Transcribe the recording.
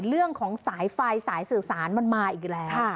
เรื่องของสายไฟสายสื่อสารมันมาอีกแล้ว